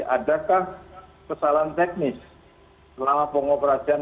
adakah kesalahan teknis selama pengoperasian